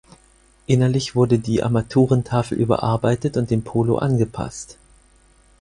Innerlich wurde die Armaturentafel überarbeitet und dem Polo angepasst.